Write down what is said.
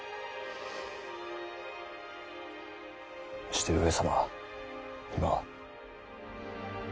して上様は今は？